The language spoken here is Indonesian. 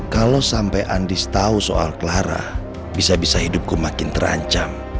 kalau sampai andis tahu soal clara bisa bisa hidupku makin terancam